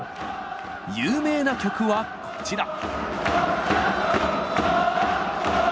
有名な曲はこちら。